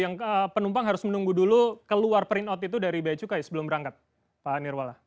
yang penumpang harus menunggu dulu keluar printout itu dari becuka sebelum berangkat pak nirwala